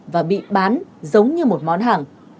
và bị bán giống như một món hàng